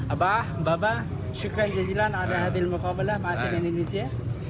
abah baba syukran jajilan ada hadir mukabalah maafkan indonesia